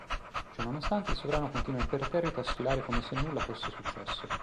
Ciononostante, il sovrano continua imperterrito a sfilare come se nulla fosse successo.